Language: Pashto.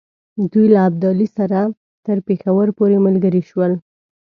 دوی له ابدالي سره تر پېښور پوري ملګري شول.